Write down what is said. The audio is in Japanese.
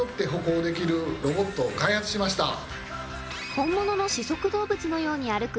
本物の四足動物のように歩く